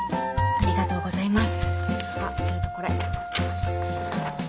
ありがとうございます。